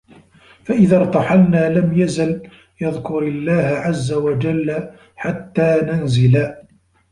فَإِذَا ارْتَحَلْنَا لَمْ يَزَلْ يَذْكُرُ اللَّهَ عَزَّ وَجَلَّ حَتَّى نَنْزِلَ